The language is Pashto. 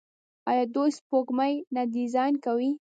آیا دوی سپوږمکۍ نه ډیزاین کوي؟